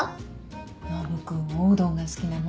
ノブ君おうどんが好きなの？